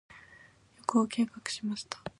旅行を計画しました。